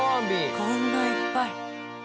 こんないっぱい。